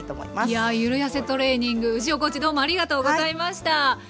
いやゆるやせトレーニング牛尾コーチどうもありがとうございました！